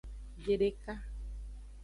Biedeka.